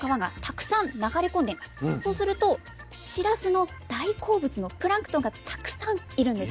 そうするとしらすの大好物のプランクトンがたくさんいるんです。